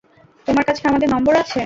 তোমার কাছে আমাদের নম্বর আছে।